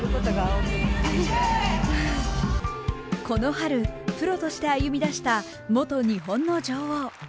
この春プロとして歩み出した元日本の女王。